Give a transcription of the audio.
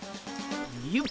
よっ。